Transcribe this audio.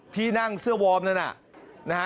ที่นั่งเสื้อวอร์มนั้น